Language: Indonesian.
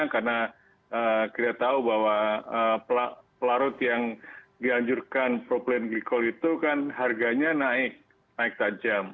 karena kita tahu bahwa pelarut yang dianjurkan propylene glycol itu kan harganya naik naik tajam